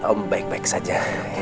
om baik baik saja